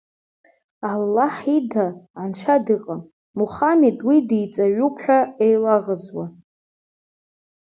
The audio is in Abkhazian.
Аллаҳ ида анцәа дыҟам, Мухамед уи диҵаҩуп ҳәа еилаӷзуа…